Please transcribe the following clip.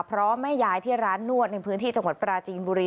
เพราะแม่ยายที่ร้านนวดในพื้นที่จังหวัดปราจีนบุรี